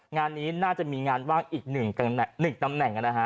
งานนี้น่าจะมีงานว่างอีก๑ตำแหน่งนะฮะ